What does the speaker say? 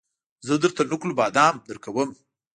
زه درته نقل بادام درکوم